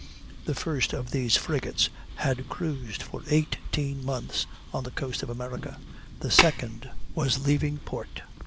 The first of these frigates had cruised for eighteen months on the coast of America; the second was leaving port.